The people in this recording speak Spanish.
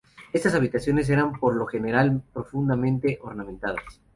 Estas habitaciones eran por lo general profundamente ornamentadas.